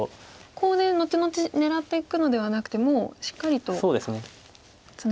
コウで後々狙っていくのではなくてもうしっかりとツナいで